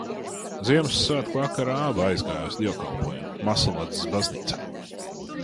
Ziemassvētku vakarā abi aizgāja uz dievkalpojumu Mazsalacas baznīcā.